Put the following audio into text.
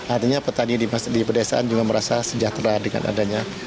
artinya petani di pedesaan juga merasa sejahtera dengan adanya